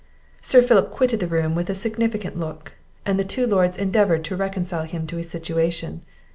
Sir Philip quitted the room with a significant look; and the two Lords endeavoured to reconcile him to his situation.